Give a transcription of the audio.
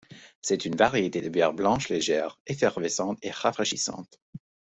C'est une variété de bière blanche légère, effervescente et raffraichissante.